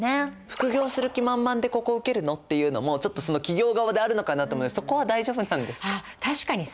副業する気満々でここ受けるの？っていうのもちょっとその企業側であるのかなと思いますがそこは大丈夫なんですか？